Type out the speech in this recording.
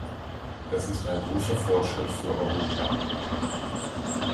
Das ist ein großer Fortschritt für Europa.